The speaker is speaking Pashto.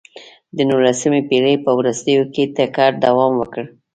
د نولسمې پېړۍ په وروستیو کې ټکر دوام وکړ.